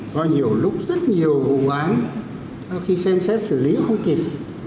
có nhiều lúc rất nhiều vụ án khi xem xét xử lý không kịp